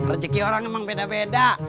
rezeki orang memang beda beda